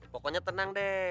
pokoknya tenang deh